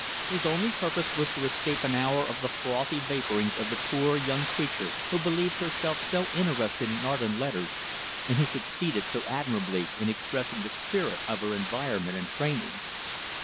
His only purpose was to escape an hour of the frothy vaporings of the poor, young creature who believed herself so interested in art and letters, and who succeeded so admirably in expressing the spirit of her environment and training.